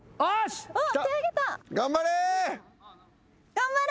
頑張れ！